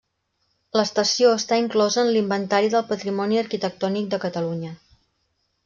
L'estació està inclosa en l'Inventari del Patrimoni Arquitectònic de Catalunya.